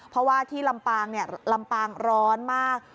เพราะว่าที่ลำปางลำปางร้อนมาก